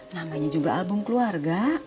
namanya juga album keluarga